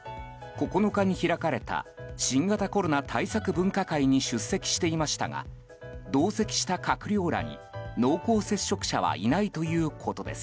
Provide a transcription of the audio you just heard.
９日に開かれた新型コロナ対策分科会に出席していましたが同席した閣僚らに濃厚接触者はいないということです。